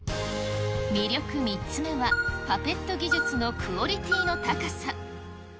魅力３つ目は、パペット技術のクオリティーの高さ。